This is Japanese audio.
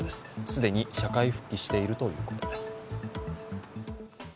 既に社会復帰しているということです。